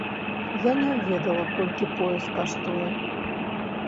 Я не ведала, колькі пояс каштуе.